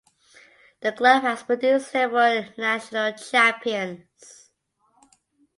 The club has produced several national champions.